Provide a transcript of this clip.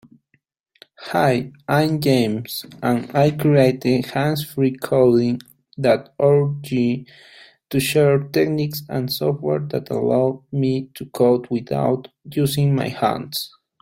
Hi, I'm James, and I created handsfreecoding.org to share techniques and software that allow me to code without using my hands.